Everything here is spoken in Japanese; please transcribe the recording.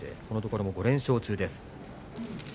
このところ５連勝中です。